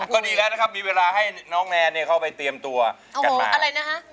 ก็ดีแล้วนะครับมีเวลาให้น้องแนนเนี่ยเข้าไปเตรียมตัวกันอะไรนะฮะ